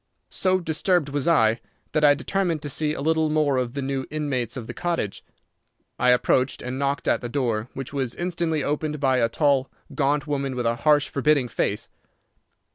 So disturbed was I that I determined to see a little more of the new inmates of the cottage. I approached and knocked at the door, which was instantly opened by a tall, gaunt woman with a harsh, forbidding face.